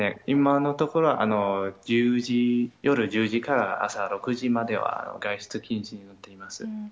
今のところは夜１０時から朝６時までは外出禁止になっています。